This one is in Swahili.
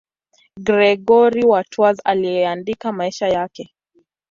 Gregori wa Tours aliandika maisha yake.